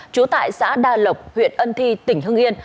trú tại xã đa lộc huyện ân thi tỉnh hưng yên